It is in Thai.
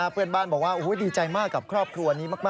เพื่อนบ้านบอกว่าดีใจมากกับครอบครัวนี้มาก